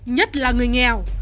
nhất là người nghèo